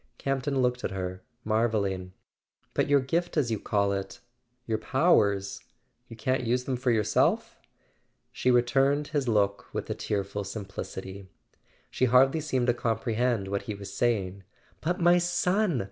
" Campton looked at her, marvelling. "But your gift as you call it. .. your powers ... you can't use them for yourself ?" She returned his look with a tearful simplicity: she hardly seemed to comprehend what he was saying. "But my son!